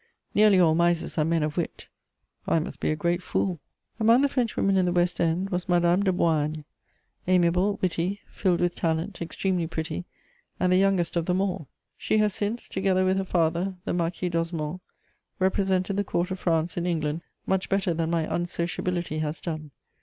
Nearly all misers are men of wit: I must be a great fool. Among the Frenchwomen in the West End was Madame de Boigne, amiable, witty, filled with talent, extremely pretty, and the youngest of them all; she has since, together with her father, the Marquis d'Osmond, represented the Court of France in England much better than my unsociability has done.